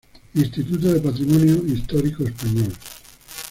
Instituto de Patrimonio Histórico Español